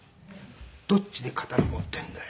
「どっちで刀持ってんだよ」